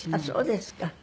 そうですか。